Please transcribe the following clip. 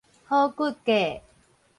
好骨骼